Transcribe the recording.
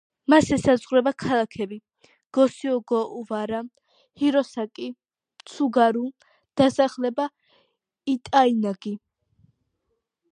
მას ესაზღვრება ქალაქები გოსიოგავარა, ჰიროსაკი, ცუგარუ, დასახლება იტაიანაგი.